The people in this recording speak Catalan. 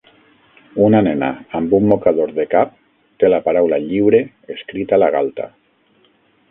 Una nena amb un mocador de cap té la paraula "lliure" escrita a la galta.